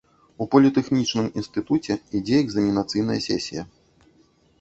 У політэхнічным інстытуце ідзе экзаменацыйная сесія.